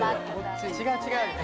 「違う違う」。